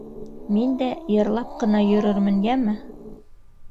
Мин дә йырлап ҡына йөрөрмөн, йәме?